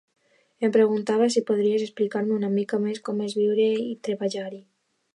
Em preguntava si podries explicar-me una mica més com és viure-hi i treballar-hi.